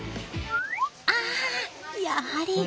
あやはり。